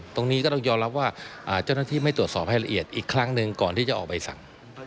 ตรงนี้ก็ต้องยอมรับว่าเจ้าหน้าที่ไม่ตรวจสอบให้ละเอียดอีกครั้งหนึ่งก่อนที่จะออกใบสั่ง